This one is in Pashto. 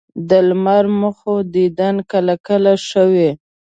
د لمر مخو دیدن کله کله ښه وي